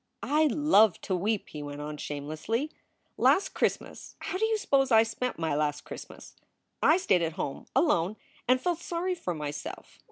"I love to weep," he went on, shamelessly. "Last Christ mas How do you suppose I spent my last Christmas? I stayed at home alone and felt sorry for myself.